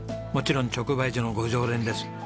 もちろん直売所のご常連です。